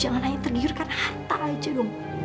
mama tuh jangan hanya tergiurkan harta aja yuk